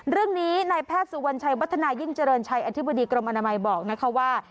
เรื่องนี้นายแพทย์สุวรรณชัยวัฒนายิ่งเจริญชัยอธิบดีกรมอนามัยบอกนะคะว่า